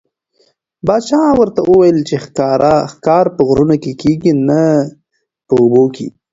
پاچا ورته وویل چې ښکار په غرونو کې کېږي نه په اوبو کې.